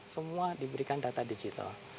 semua diberikan data digital